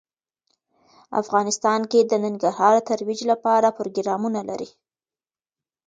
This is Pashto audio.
افغانستان د ننګرهار د ترویج لپاره پروګرامونه لري.